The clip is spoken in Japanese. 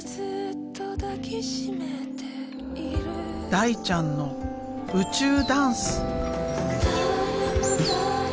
大ちゃんの宇宙ダンス！